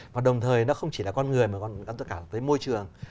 và đồng thời nó không chỉ là con người mà còn gắn tất cả tới môi trường